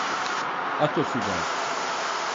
At o silahı!